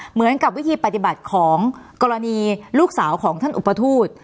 เหมือนกับวิธีปฏิบัติของกรณีลูกสาวของท่านอุปทูต